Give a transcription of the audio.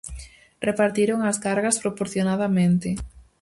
Repartiron as cargas proporcionadamente.